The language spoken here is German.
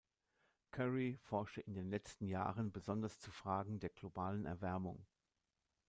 Curry forschte in den letzten Jahren besonders zur Fragen der globalen Erwärmung.